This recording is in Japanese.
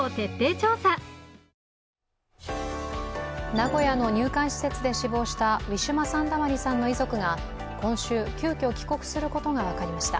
名古屋の入管施設で死亡したウィシュマ・サンダマリさんの遺族が今週、急きょ、帰国することが分かりました。